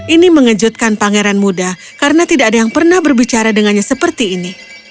ini mengejutkan pangeran muda karena tidak ada yang pernah berbicara dengannya seperti ini